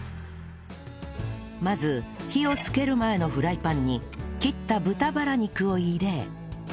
まず火をつける前のフライパンに切った豚バラ肉を入れ